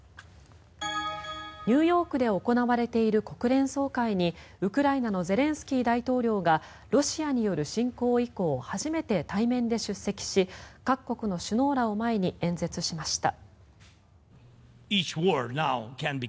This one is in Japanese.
ニューヨークで行われている国連総会にウクライナのゼレンスキー大統領がロシアによる侵攻以降初めて対面で出席し各国の首脳らを前に演説しました。